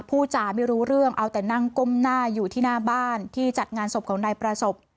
ผู้จ่าไม่รู้เรื่องเอาแต่นั่งก้มหน้าอยู่ที่หน้าบ้านที่จัดงานศพของนายประสบ